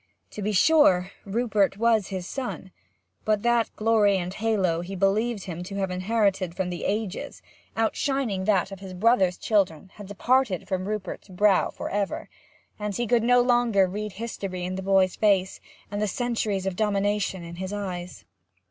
To be sure, Rupert was his son; but that glory and halo he believed him to have inherited from the ages, outshining that of his brother's children, had departed from Rupert's brow for ever; he could no longer read history in the boy's face, and centuries of domination in his eyes.